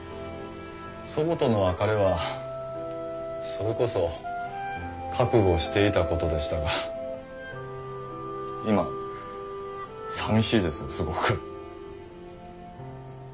祖母との別れはそれこそ覚悟していたことでしたが今寂しいですすごく。